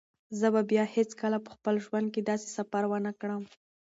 زه به بیا هیڅکله په خپل ژوند کې داسې سفر ونه کړم.